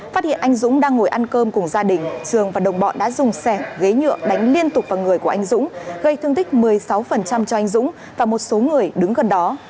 phát hiện anh dũng đang ngồi ăn cơm cùng gia đình trường và đồng bọn đã dùng sẻ ghế nhựa đánh liên tục vào người của anh dũng gây thương tích một mươi sáu cho anh dũng và một số người đứng gần đó